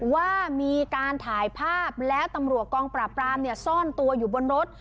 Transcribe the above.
ว่ามีการถ่ายภาพและตำรวกกองก็ประปรามซ่อนตัวอยู่บนรถ